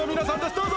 どうぞ！